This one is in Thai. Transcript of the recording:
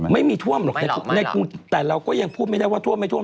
ไม่มีท่วมหรอกในแต่เราก็ยังพูดไม่ได้ว่าท่วมไม่ท่วม